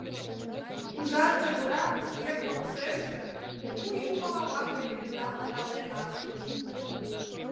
Ужар чодыра шке помышешыже Кугу Юмо Ава гай мемнам арален ашныш.